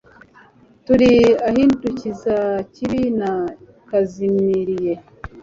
Turi ahindukiza kibi na kazimiriye